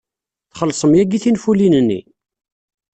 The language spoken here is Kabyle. Txellṣem yagi tinfulin-nni?